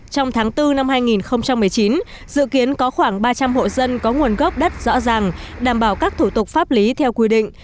trong tháng bốn năm hai nghìn một mươi chín dự kiến có khoảng ba trăm linh hộ dân có nguồn gốc đất rõ ràng đảm bảo các thủ tục pháp lý theo quy định